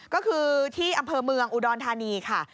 ก็คือที่อำเภอเมืองอุดรธานีค่ะ